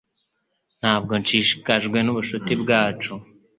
Ntabwo nshishikajwe nubucuti bwacu.